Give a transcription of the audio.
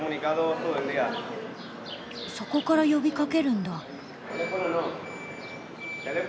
そこから呼びかけるんだ。